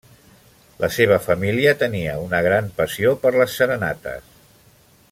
La seva família tenia una gran passió per les serenates.